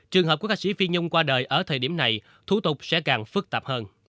trường hợp của ca sĩ phi nhung qua đời ở thời điểm này thủ tục sẽ càng phức tạp hơn